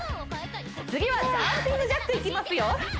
次はジャンピングジャックいきますよ